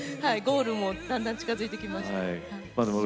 ゴールもだんだん近づいてきました。